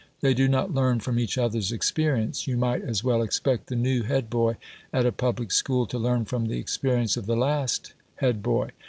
They do not learn from each other's experience; you might as well expect the new head boy at a public school to learn from the experience of the last head boy.